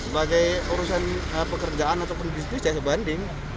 sebagai urusan pekerjaan ataupun bisnis ya sebanding